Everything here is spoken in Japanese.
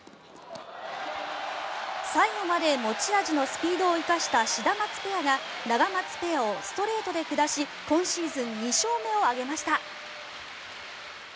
最後まで持ち味のスピードを生かしたシダマツペアがナガマツペアをストレートで下し今シーズン２勝目を挙げました。